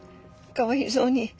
かわいそうに。